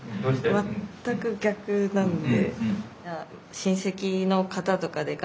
全く逆なんで。